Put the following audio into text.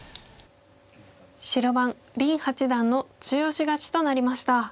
白番林八段の中押し勝ちとなりました。